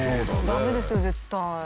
駄目ですよ絶対。